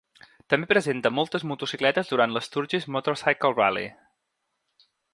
També presenta moltes motocicletes durant l'Sturgis Motorcycle Rally.